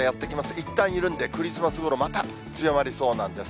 いったん緩んで、クリスマスごろまた、強まりそうなんです。